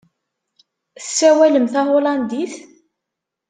Tessawalem tahulandit?